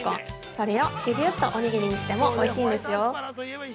それをぎゅぎゅっとおにぎりにしてもおいしいんですよ。